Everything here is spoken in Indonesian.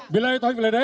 bilayah tohik biladah